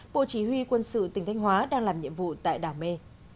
bộ chỉ huy quân sự tỉnh thanh hóa đang làm nhiệm vụ tại đảo mê